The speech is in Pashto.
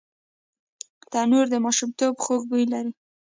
تنور د ماشومتوب خوږ بوی لري